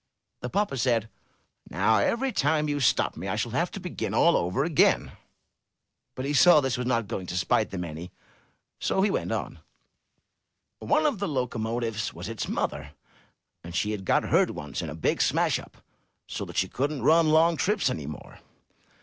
The papa said, "Now every time you stop me I shall have to begin all over again." But he saw that this was not going to spite them any, so he went on: "One of the locomotives was its mother, and she had got hurt once in a big smash up, so that she couldn't run long trips any more.